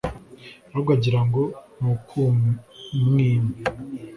ahubwo agira ngo ni ukumwima